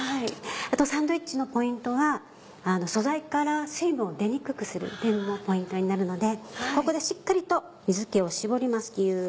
あとサンドイッチのポイントは素材から水分を出にくくするっていうのもポイントになるのでここでしっかりと水気を絞りますぎゅ。